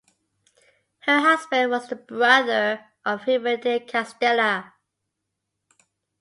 Her husband was the brother of Hubert de Castella.